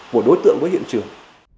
của đối tượng với hiện trường